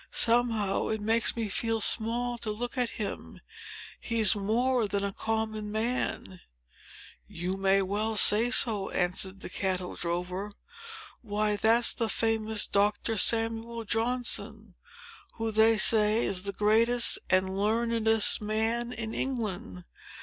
Somehow, it makes me feel small to look at him. He's more than a common man." "You may well say so," answered the cattle drover. "Why, that's the famous Doctor Samuel Johnson, who, they say, is the greatest and learnedest man in England.